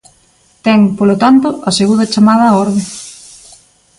Ten, polo tanto, a segunda chamada á orde.